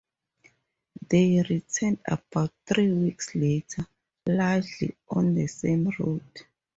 They returned about three weeks later, largely on the same route.